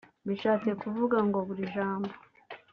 bishatse kuvuga ngo “Buri jambo